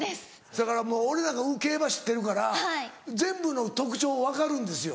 せやからもう俺なんか競馬知ってるから全部の特徴分かるんですよ。